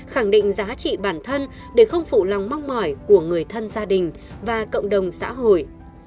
khẳng định giá trị bản thân để không phụ lòng mong mỏi của người thân gia đình và cộng đồng xã hội